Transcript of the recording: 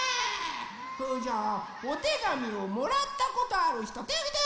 それじゃあおてがみをもらったことあるひとてをあげて！